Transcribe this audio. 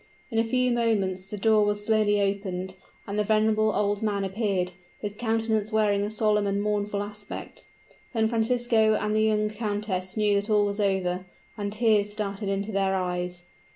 In a few moments the door was slowly opened; and the venerable old man appeared, his countenance wearing a solemn and mournful aspect. Then Francisco and the young countess knew that all was over; and tears started into their eyes.